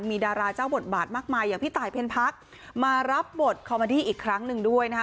มีดาราเจ้าบทบาทมากมายอย่างพี่ตายเพ็ญพักมารับบทคอมมาดี้อีกครั้งหนึ่งด้วยนะคะ